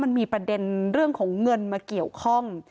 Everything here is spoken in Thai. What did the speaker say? มันมีประเด็นเรื่องของเงินมาเกี่ยวข้อง